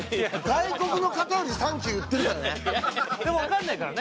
外国の方より「サンキュー！」を言っているよね